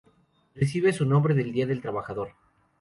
Recibe su nombre del día del trabajador.